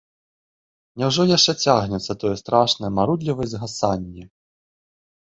Няўжо яшчэ цягнецца тое страшнае марудлівае згасанне?